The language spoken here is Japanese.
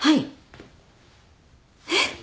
えっ！？